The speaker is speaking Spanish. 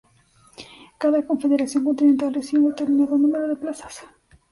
Cada confederación continental recibió un determinado número de plazas.